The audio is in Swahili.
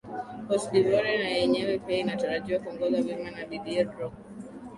cote devoire na yenyewe pia inatarajiwa kuongoza vyema na didier drogba